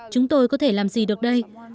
chúng tôi có thể làm gì được đây